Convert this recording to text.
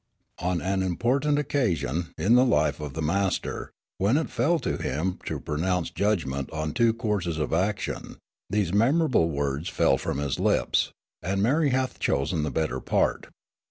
On an important occasion in the life of the Master, when it fell to him to pronounce judgment on two courses of action, these memorable words fell from his lips: "And Mary hath chosen the better part."